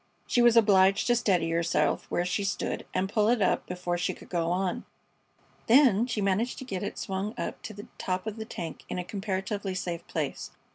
She was obliged to steady herself where she stood and pull it up before she could go on. Then she managed to get it swung up to the top of the tank in a comparatively safe place.